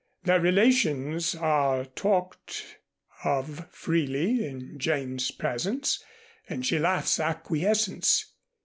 Their relations are talked of freely in Jane's presence and she laughs acquiescence.